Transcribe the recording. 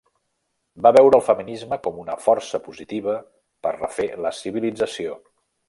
Va veure el feminisme com una força positiva per refer la civilització.